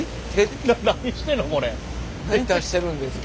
何出してるんですか？